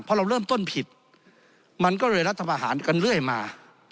พอเราเริ่มต้นผิดมันก็เลยรัฐพาหารกันเรื่อยมา